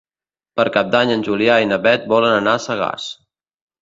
Per Cap d'Any en Julià i na Beth volen anar a Sagàs.